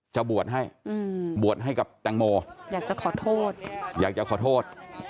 จะบวชให้บวชให้กับแตงโมอยากจะขอโทษอยากจะขอโทษ